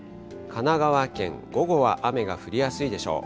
神奈川県、午後は雨が降りやすいでしょう。